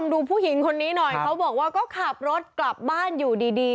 ดูผู้หญิงคนนี้หน่อยเขาบอกว่าก็ขับรถกลับบ้านอยู่ดี